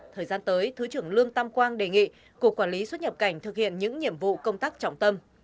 thời gian tới thứ trưởng lương tam quang đề nghị cục quản lý xuất nhập cảnh thực hiện những nhiệm vụ công tác trọng tâm